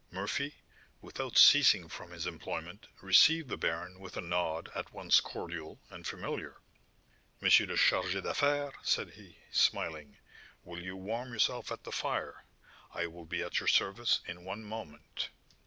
Murphy, without ceasing from his employment, received the baron with a nod at once cordial and familiar. "M. le Chargé d'Affaires," said he, smiling, "will you warm yourself at the fire? I will be at your service in one moment."